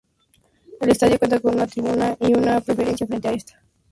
El estadio cuenta con una tribuna y una preferencia frente a esta, sin fondos.